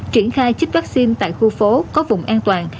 triển khai chích vaccine tại khu phố có vùng an toàn